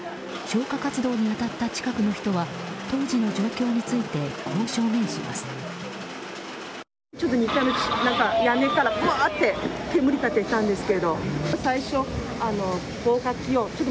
消火活動に当たった近くの人は当時の状況についてこう証言します。